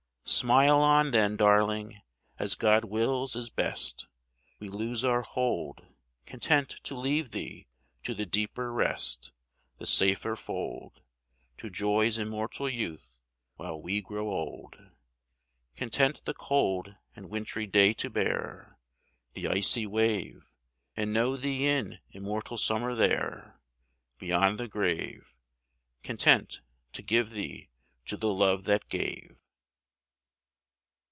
HERE AND THERE. IO/ Smile on, then, darling ! As God wills, is best. We loose our hold, Content to leave thee to the deeper rest, The safer fold, To joy s immortal youth while we grow old ; Content the cold and wintry day to bear, The icy wave, And know thee in immortal summer there, Beyond the grave ; Content to give thee to the Love that gave.